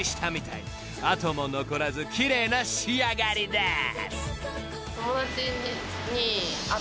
［痕も残らず奇麗な仕上がりです］